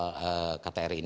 kita akan melakukan perlawanan